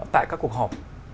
tại các cuộc họp